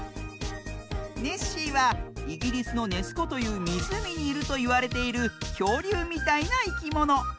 ネッシーはイギリスの「ネスこ」というみずうみにいるといわれているきょうりゅうみたいないきもの。